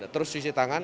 terus cuci tangan